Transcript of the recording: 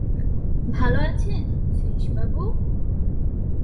ভালো আছেন শ্রীশবাবু?